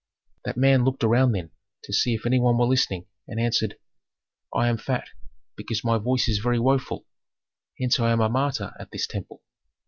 "That man looked around then to see if any one were listening, and answered, "'I am fat, because my voice is very woful; hence I am a martyr at this temple.